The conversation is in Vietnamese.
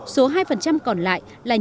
số hai còn lại là những hộ sản xuất kinh doanh